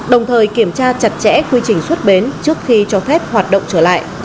đồng thời kiểm tra chặt chẽ quy trình xuất bến trước khi cho phép hoạt động trở lại